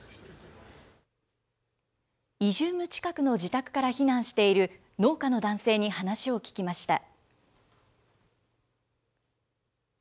イジューム近くの自宅から避難している農家の男性に話を聞きました。